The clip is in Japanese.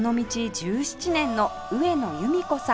１７年の上野ゆみ子さん